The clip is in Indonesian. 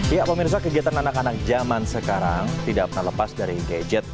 ya pemirsa kegiatan anak anak zaman sekarang tidak pernah lepas dari gadget